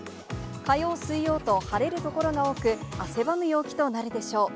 火曜、水曜と晴れる所が多く、汗ばむ陽気となるでしょう。